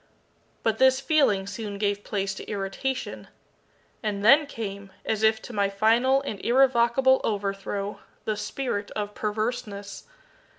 But this feeling soon gave place to irritation. And then came, as if to my final and irrevocable overthrow, the spirit of PERVERSENESS.